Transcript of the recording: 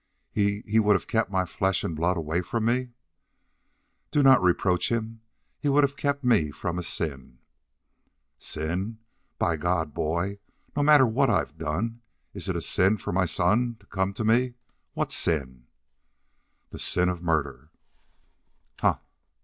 "He he would have kept my flesh and blood away from me?" "Do not reproach him. He would have kept me from a sin." "Sin? By God, boy, no matter what I've done, is it sin for my son to come to me? What sin?" "The sin of murder!" "Ha!"